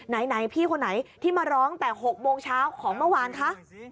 ไหนพี่คนไหนที่มาร้องแต่๖โมงเช้าของเมื่อวานคะ